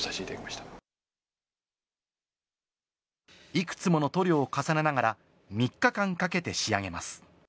いくつもの塗料を重ねながら３日間かけて仕上げます。